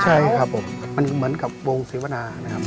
ใช่ครับผมมันเหมือนกับวงเสวนานะครับ